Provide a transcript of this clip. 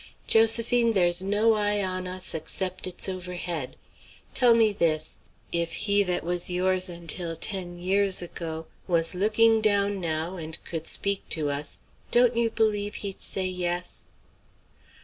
"Josephine, there's no eye on us except it's overhead. Tell me this; if he that was yours until ten years ago was looking down now and could speak to us, don't you believe he'd say yes?"